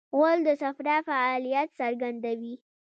غول د صفرا فعالیت څرګندوي.